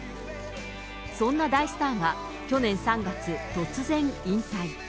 そんな大スターが去年３月、突然引退。